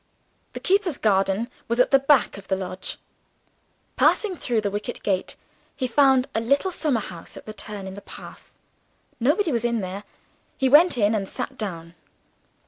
The keeper's garden was at the back of the lodge. Passing through the wicket gate, he found a little summer house at a turn in the path. Nobody was there: he went in and sat down.